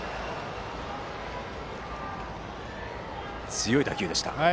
強い打球でした。